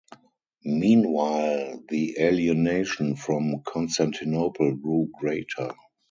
Meanwhile, the alienation from Constantinople grew greater.